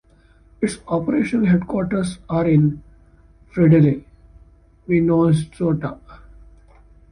Its operational headquarters are in Fridley, Minnesota.